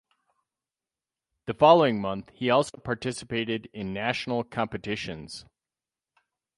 The following month he also participated in national competitions.